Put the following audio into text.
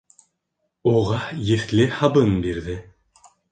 Уға еҫле һабын бирҙе.